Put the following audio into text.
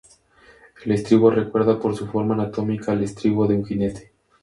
El estribo recuerda por su forma anatómica al estribo de un jinete.